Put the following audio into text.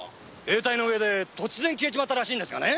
永代の上で突然消えちまったらしいんですがね。